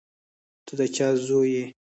ته د چا زوی یې.